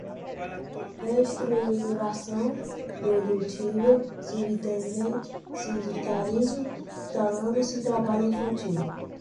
Reestruturação produtiva, subjetivamente, sindicalismo, instalando-se, trabalho infantil